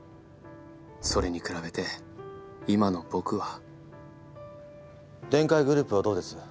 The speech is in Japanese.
それに比べて今の僕はデンカイグループはどうです？